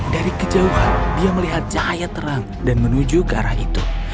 dari kejauhan dia melihat cahaya terang dan menuju ke arah itu